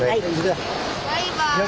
バイバーイ。